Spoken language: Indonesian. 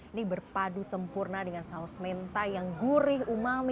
ini berpadu sempurna dengan saus mentai yang gurih umami